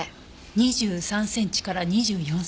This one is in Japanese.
２３センチから２４センチ。